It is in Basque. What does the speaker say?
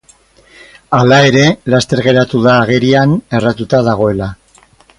Hala ere, laster geratu da agerian erratuta dagoela.